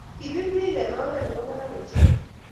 Kipir beek eng oree ne bo barak ochei.